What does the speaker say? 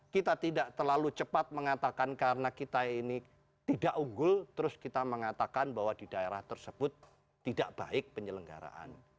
kita tidak terlalu cepat mengatakan karena kita ini tidak unggul terus kita mengatakan bahwa di daerah tersebut tidak baik penyelenggaraan